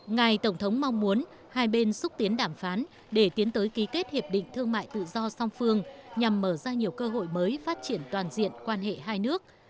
ngài tổng thống mong muốn hai bên xúc tiến đàm phán để tiến tới ký kết hiệp định thương mại tự do song phương nhằm mở ra nhiều cơ hội mới phát triển toàn diện quan hệ hai nước